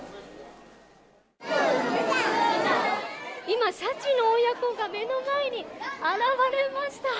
今、シャチの親子が目の前に現れました。